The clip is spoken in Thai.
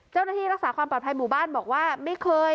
เจ้าหน้าที่รักษาความปลอดภัยหมู่บ้านบอกว่าไม่เคย